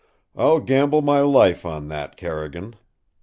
"I'll gamble my life on that, Carrigan!"